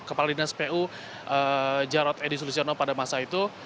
kepala dinas pu jarod edi sulistiono pada masa itu